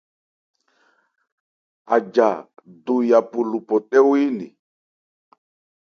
Aja do Yapo lo phɔtɛ́wo yé nne.